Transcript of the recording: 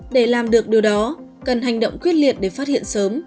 để làm được điều đó cần hành động quyết liệt để phát hiện sớm